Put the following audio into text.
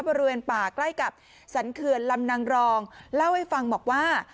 บริเวณป่าใกล้กับสรรเขื่อนลำนางรองเล่าให้ฟังบอกว่า